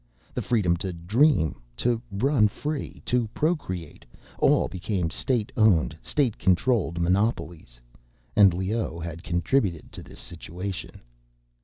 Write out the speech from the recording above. The freedom to dream, to run free, to procreate, all became state owned, state controlled monopolies. And Leoh had contributed to this situation.